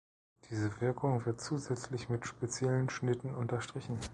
Diese Wirkung wird zusätzlich mit speziellen Schnitten unterstrichen.